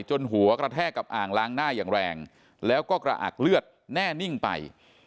หัวกระแทกกับอ่างล้างหน้าอย่างแรงแล้วก็กระอักเลือดแน่นิ่งไป